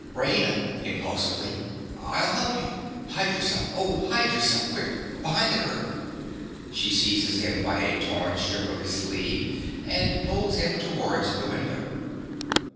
RAINA. (impulsively). I'll help you. Hide yourself, oh, hide yourself, quick, behind the curtain. (_She seizes him by a torn strip of his sleeve, and pulls him towards the window.